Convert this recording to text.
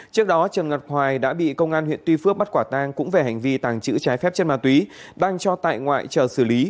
trước đó trần ngọc hoài đã bị công an huyện tuy phước bắt quả tang cũng về hành vi tàng trữ trái phép chất ma túy đang cho tại ngoại chờ xử lý